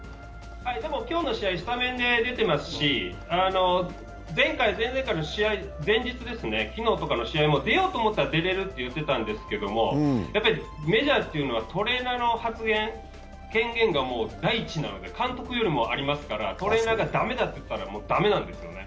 今日の試合スタメンで出てますし前回、前々回の試合前日、昨日とかの試合も出ようと思ったら出られるって言ってたんですけど、やっぱりメジャーっていうのは、トレーナーの発言、権限が第一なので、監督よりもありますからトレーナーが駄目だと言ったら、もう駄目なんですよね。